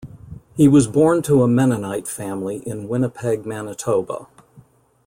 He was born to a Mennonite family in Winnipeg, Manitoba.